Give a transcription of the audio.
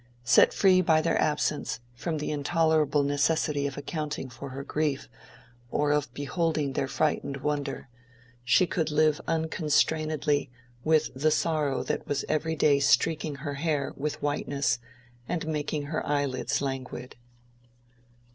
Set free by their absence from the intolerable necessity of accounting for her grief or of beholding their frightened wonder, she could live unconstrainedly with the sorrow that was every day streaking her hair with whiteness and making her eyelids languid.